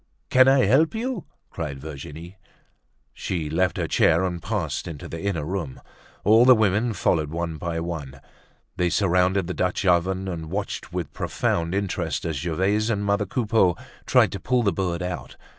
"Can I help you?" cried Virginie. She left her chair and passed into the inner room. All the women followed one by one. They surrounded the Dutch oven, and watched with profound interest as Gervaise and mother Coupeau tried to pull the bird out.